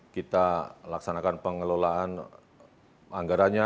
kita laksanakan pengelolaan anggarannya